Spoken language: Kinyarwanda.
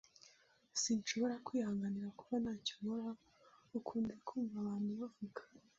"Sinshobora kwihanganira kuba ntacyo nkora!" ukunze kumva abantu bavuga.